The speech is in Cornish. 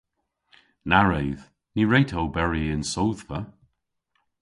Na wredh! Ny wre'ta oberi yn sodhva.